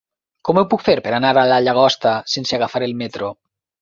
Com ho puc fer per anar a la Llagosta sense agafar el metro?